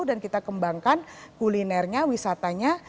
dan kita kembangkan kulinernya wisatanya